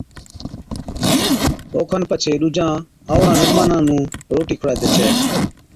اوکن پڇي ڏُوجان آئوڙان مزمانا نُون روٽِي کُڙاجَي ڇَي